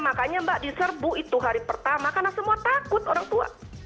makanya mbak diserbu itu hari pertama karena semua takut orang tua